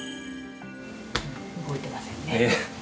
動いてませんね。